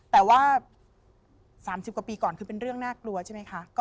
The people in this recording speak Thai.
แต่ว่า๓๐กว่าปีก่อนคือเป็นเรื่องน่ากลัวใช่ไหมคะ